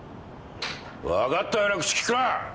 分かったような口利くな！